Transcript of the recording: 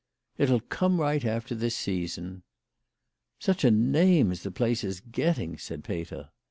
" It'll come right after this season." " Such a name as the place is getting !" said Peter.